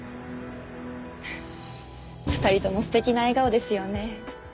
２人とも素敵な笑顔ですよね。